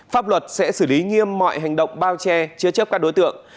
pháp luật sẽ xử lý nghiêm mọi hành động bao che chứa chấp các đối tượng